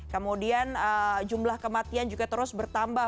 kemudian jumlah kematian juga terus bertambah